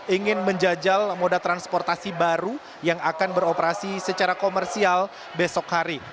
ingin menjajal moda transportasi baru yang akan beroperasi secara komersial besok hari